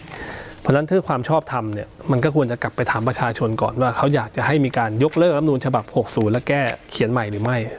เพราะฉะนั้นถ้าความชอบทำเนี่ยมันก็ควรจะกลับไปถามประชาชนก่อนว่าเขาอยากจะให้มีการยกเลิกรับนูลฉบับ๖๐และแก้เขียนใหม่หรือไม่